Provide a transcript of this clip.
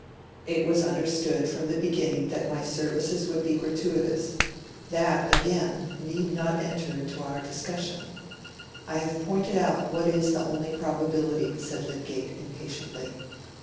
"It was understood from the beginning that my services would be gratuitous. That, again, need not enter into our discussion. I have pointed out what is the only probability," said Lydgate, impatiently.